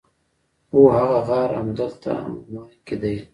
هو هغه غار همدلته عمان کې دی.